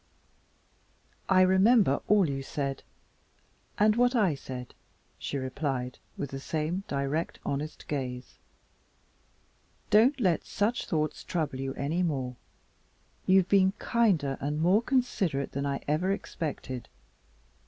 "I remember all you said and what I said," she replied, with the same direct, honest gaze. "Don't let such thoughts trouble you any more. You've been kinder and more considerate than I ever expected.